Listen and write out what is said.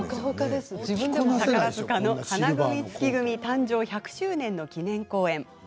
宝塚の花組、月組誕生１００周年の記念公演。